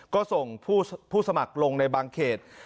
ก็ส่งผู้สมัครลงในบางเขต